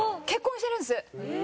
結婚してるんです。